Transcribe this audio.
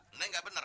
ini tidak benar